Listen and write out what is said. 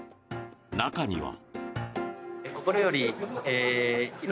中には。